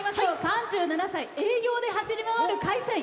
３７歳営業で走り回る会社員。